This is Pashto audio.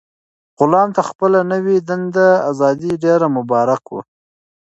غلام ته خپله نوي موندلې ازادي ډېره مبارک وه.